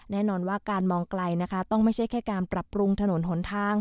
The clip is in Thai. แน่นอนว่าการมองไกลนะคะต้องไม่ใช่แค่การปรับปรุงถนนหนทาง